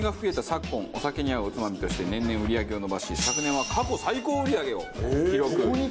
昨今お酒に合うおつまみとして年々売り上げを伸ばし昨年は過去最高売り上げを記録。